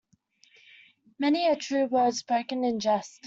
Many a true word spoken in jest.